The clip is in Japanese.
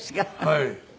はい。